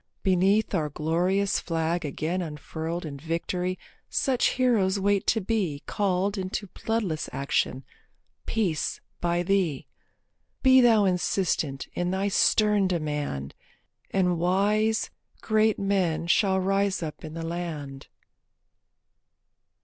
Beneath our glorious flag again unfurled In victory such heroes wait to be Called into bloodless action, Peace, by thee. Be thou insistent in thy stern demand, And wise, great men shall rise up in the land.